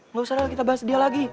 nggak usah kita bahas dia lagi